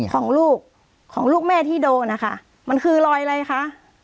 ของลูกของลูกแม่ที่โดนนะคะมันคือรอยอะไรคะ